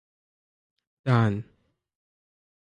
Darn!